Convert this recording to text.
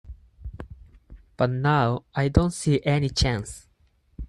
But now, I don't see any chance.